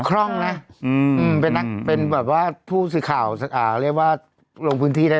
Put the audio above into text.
คร่องนะเป็นผู้สื่อข่าวเรียกว่าลงพื้นที่ได้เลย